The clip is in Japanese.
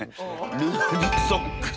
「ルーズソックス」。